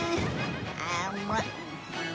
あむっ。